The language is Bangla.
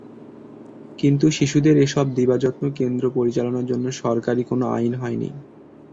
কিন্তু শিশুদের এসব দিবাযত্ন কেন্দ্র পরিচালনার জন্য সরকারি কোনো আইন হয়নি।